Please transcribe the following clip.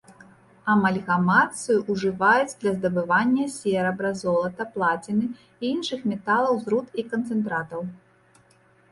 Амальгамацыю ўжываюць для здабывання серабра, золата, плаціны і іншых металаў з руд і канцэнтратаў.